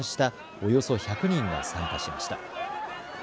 およそ１００人が参加しました。